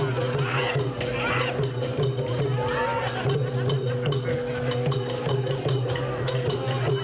นายยกอยากเล่นด้วยคือเรียกแล้วไม่มา